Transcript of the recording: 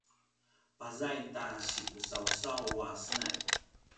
pazaing ta sipusausaw a senay